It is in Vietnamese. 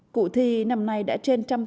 cụ thi năm nay đã trên trăm tỷ đồng